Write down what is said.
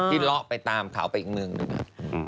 ที่ล้อไปตามเขาไปอีกเมืองหนึ่งอะ